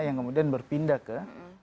yang kemudian berpindah ke